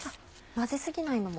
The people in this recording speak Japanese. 混ぜ過ぎないのも。